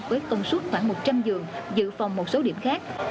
với công suất khoảng một trăm linh giường dự phòng một số điểm khác